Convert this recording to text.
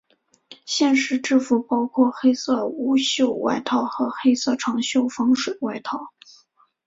现时制服包括黑色无袖外套和黑色长袖防水外套。